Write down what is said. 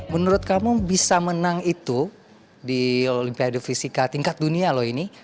menurut kamu bisa menang itu di olimpiade fisika tingkat dunia loh ini